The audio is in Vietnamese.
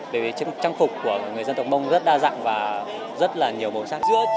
bởi vì trang phục của người dân tộc mông rất đa dạng và rất là nhiều màu sắc